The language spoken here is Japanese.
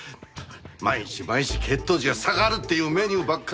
毎日毎日血糖値が下がるっていうメニューばっかりでさ